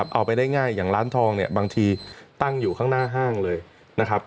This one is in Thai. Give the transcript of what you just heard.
เอาไปได้ง่ายอย่างร้านทองเนี่ยบางทีตั้งอยู่ข้างหน้าห้างเลยนะครับ